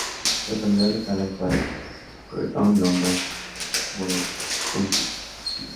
La autoridad local actual es Croydon London Borough Council.